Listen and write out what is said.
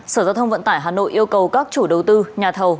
sở giao thông vận tải hà nội yêu cầu các chủ đầu tư nhà thầu